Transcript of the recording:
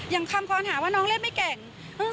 อย่างคำความถามว่าน้องเล่นไม่เก่ง